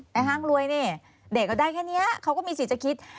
ห้างรวยนี่เด็กก็ได้แค่นี้เขาก็มีสิทธิ์จะคิด